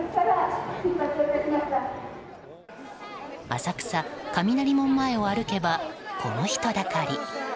浅草・雷門前を歩けばこの人だかり。